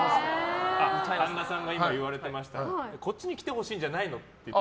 神田さんが言われてましたこっちに来てほしいんじゃないの？って。